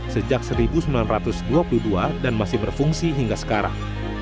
sejak seribu sembilan ratus dua puluh dua dan masih berfungsi hingga sekarang